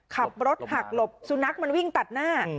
ขับรถหักหลบสุนัขมันวิ่งตัดหน้า